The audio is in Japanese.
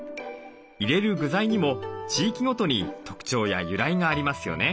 入れる具材にも地域ごとに特徴や由来がありますよね。